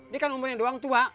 dia kan umurnya doang tua